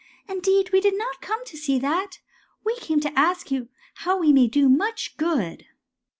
" Indeed we did not come to see that. We came to ask you how we may do much good."